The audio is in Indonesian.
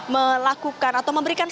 melakukan atau memberikan